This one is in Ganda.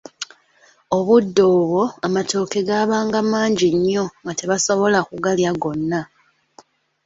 Obudde obwo amatooke gaabanga mangi nnyo nga tebasobola kugalya gonna.